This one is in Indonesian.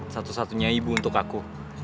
satu satunya ibu untuk aku